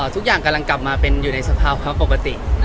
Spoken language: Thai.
ทุกอย่างกำลังกลับค้นมาอยู่ในสภาพปกปะติ